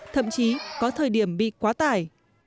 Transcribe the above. thậm chí có thời điểm bị quá tải